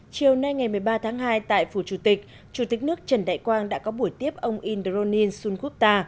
chiều nay ngày một mươi ba tháng hai tại phủ chủ tịch chủ tịch nước trần đại quang đã có buổi tiếp ông indronin suluta